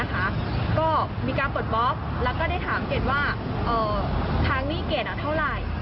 ก็มีการปลดบล็อกแล้วก็ได้ถามเกดว่าทางหนี้เกดเท่าไหร่